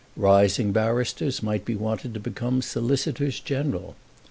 Rising barristers might be wanted to become Solicitors General.